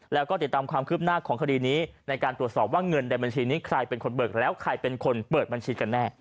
แล้วก็ติดตามความคืบหน้าของคดีนี้ในการตรวจสอบว่าเงินในบัญชีนี้ใครเป็นคนเบิกแล้วใครเป็นคนเปิดบัญชีกันแน่